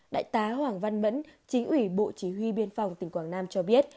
đại tá hoàng văn mẫn chính ủy bộ chỉ huy biên phòng tỉnh quảng nam cho biết